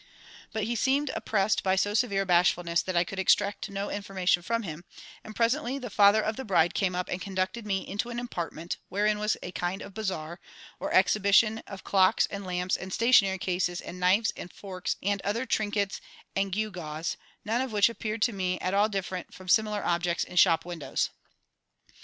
But he seemed oppressed by so severe a bashfulness that I could extract no information from him, and presently the father of the bride came up and conducted me into an apartment wherein was a kind of bazaar, or exhibition of clocks and lamps and stationery cases and knives and forks and other trinkets and gewgaws, none of which appeared to me at all different from similar objects in shop windows.